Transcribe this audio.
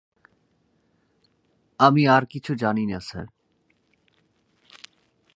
আমি আর কিছু জানি না, স্যার।